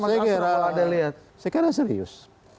saya kira serius